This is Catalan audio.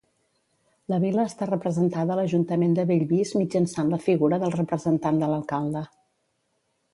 La vila està representada a l'ajuntament de Bellvís mitjançant la figura del Representant de l'alcalde.